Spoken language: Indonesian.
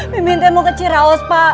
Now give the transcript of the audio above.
mimin teh mau ke ciraos pak